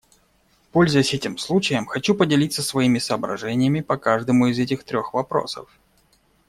Пользуясь этим случаем, хочу поделиться своими соображениями по каждому из этих трех вопросов.